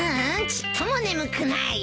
ちっとも眠くない。